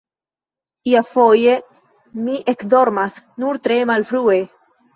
Iafoje mi ekdormas nur tre malfrue.